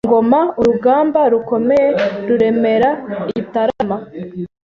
cyamatare ari ku ngoma urugamba rukomeye ruremera i Gitarama